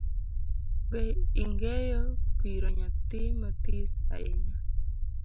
Be ingeyo piro nyathii mathis ahinya?